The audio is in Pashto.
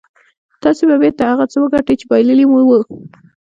تاسې به بېرته هغه څه وګټئ چې بايللي مو وو.